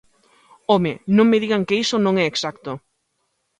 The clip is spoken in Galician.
¡Home!, non me digan que iso non é exacto.